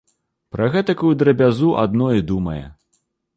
Пра гэтакую драбязу адно і думае.